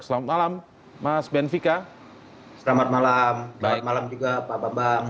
selamat malam mas benvika selamat malam baik malam juga pak bambang